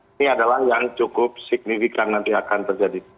ini adalah yang cukup signifikan nanti akan terjadi